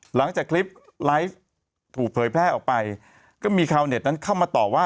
หลังจากคลิปไลฟ์ถูกเผยแพร่ออกไปก็มีชาวเน็ตนั้นเข้ามาต่อว่า